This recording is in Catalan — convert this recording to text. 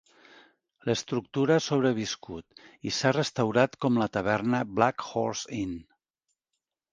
L'estructura ha sobreviscut i s'ha restaurat com la taverna Black Horse Inn.